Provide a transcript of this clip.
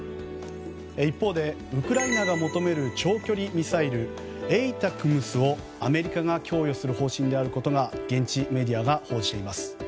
一方、ウクライナが求める長距離ミサイルＡＴＡＣＭＳをアメリカが供与する方針であることを現地メディアが報じています。